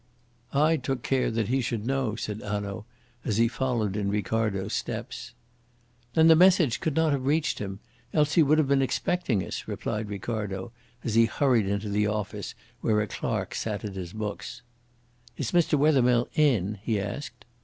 "I took care that he should know," said Hanaud, as he followed in Ricardo's steps. "Then the message could not have reached him, else he would have been expecting us," replied Ricardo, as he hurried into the office, where a clerk sat at his books. "Is Mr. Wethermill in?" he asked.